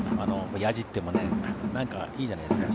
やじってもなんか、いいじゃないですか。